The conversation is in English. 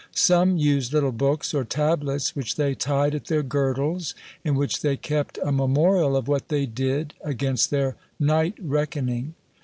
Some used little books, or tablets, which they tied at their girdles, in which they kept a memorial of what they did, against their night reckoning."